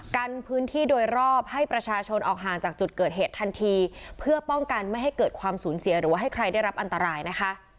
กันพื้นที่โดยรอบให้ประชาชนออกห่างจากจุดเกิดเหตุทันทีเพื่อป้องกันไม่ให้เกิดความสูญเสียหรือว่าให้ใครได้รับอันตรายนะคะ